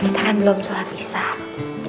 kita kan belum sholat isyah